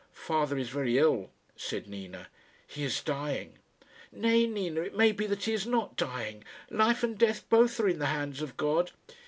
"Father is very ill," said Nina. "He is dying." "Nay, Nina; it may be that he is not dying. Life and death both are in the hands of God."